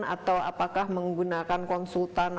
atau apakah menggunakan konsultan